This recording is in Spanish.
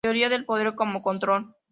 Teoría del poder como control.